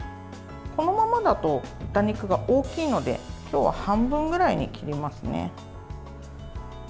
このままだと豚肉が大きいので今日は半分ぐらいに切りますね。